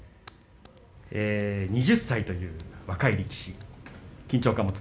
２０歳という若い力士です。